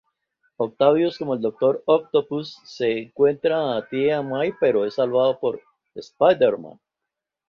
Octavius, como el Dr. Octopus, secuestra a Tía May, pero es salvada por Spider-Man.